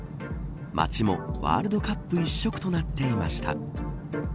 街もワールドカップ一色となっていました。